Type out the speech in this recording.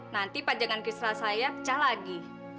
nanti panjangan kristal saya pecah lagi